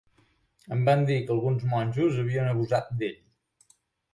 Em va dir que alguns monjos havien abusat d'ell.